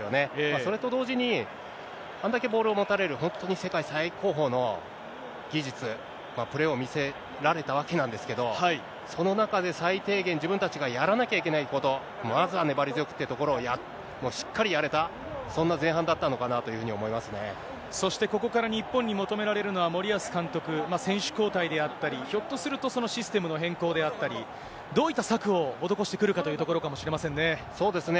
それと同時に、あんだけボールを持たれる、本当に世界最高峰の技術、プレーを見せられたわけなんですけど、その中で最低限、自分たちがやらなきゃいけないこと、まずは粘り強くってところをしっかりやれた、そんな前半だったのそしてここから日本に求められるのは、森保監督、選手交代であったり、ひょっとすると、そのシステムの変更であったり、どういった策を施してくるかというところかもしれませんね。